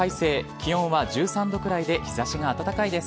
気温は１３度くらいで日差しが暖かいです。